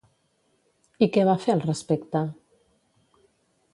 I què va fer al respecte?